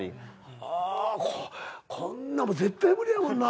はぁこんな絶対無理やもんな。